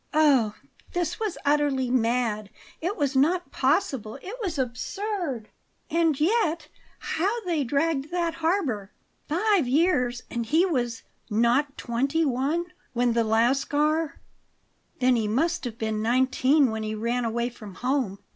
Oh, this was utterly mad it was not possible it was absurd And yet, how they had dragged that harbour! Five years and he was "not twenty one" when the Lascar Then he must have been nineteen when he ran away from home.